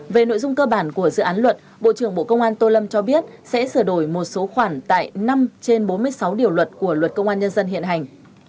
về nội dung cơ bản của dự án luật bộ trưởng bộ công an tô lâm cho biết sẽ sửa đổi một số khoản tại năm trên bốn mươi sáu điều luật của luật công an nhân dân hiện hành